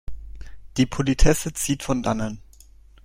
Die Politesse zieht von Dannen.